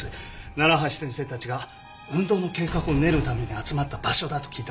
楢橋先生たちが運動の計画を練るために集まった場所だと聞いた事が。